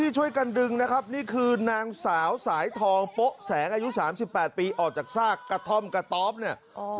ช่วยกันดึงนะครับนี่คือนางสาวสายทองโป๊ะแสงอายุ๓๘ปีออกจากซากกระท่อมกระต๊อบเนี่ย